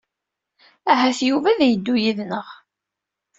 Ahat Yuba ad yeddu yid-neɣ.